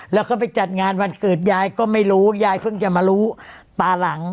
แล้วก็ไปจัดงานวันเกิดยายก็ไม่รู้ยายเพิ่งจะมารู้ตาหลัง